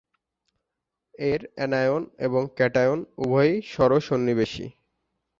এর অ্যানায়ন এবং ক্যাটায়ন উভয়ই ষড়-সন্নিবেশী।